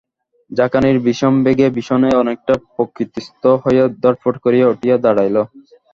ঝাঁকানির বিষম বেগে বিষন অনেকটা প্রকৃতিস্থ হইয়া ধড়ফড় করিয়া উঠিয়া দাঁড়াইল।